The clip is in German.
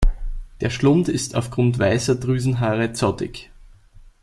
Der Schlund ist aufgrund weißer Drüsenhaare zottig.